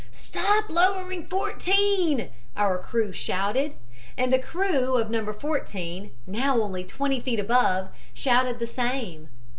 "'Stop lowering 14,' our crew shouted, and the crew of No. 14, now only twenty feet above, shouted the same.